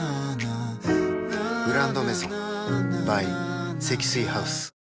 「グランドメゾン」ｂｙ 積水ハウス